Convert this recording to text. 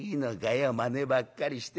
まねばっかりしててよ。